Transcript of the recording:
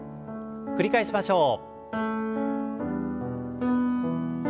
繰り返しましょう。